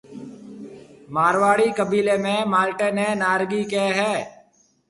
مارواڙِي قيبيلي ۾ مالٽي نَي نارنگِي ڪهيَ هيَ۔